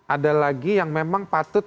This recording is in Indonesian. ada lagi yang memang patut